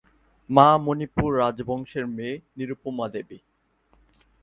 মা মণিপুর রাজবংশের মেয়ে নিরুপমা দেবী।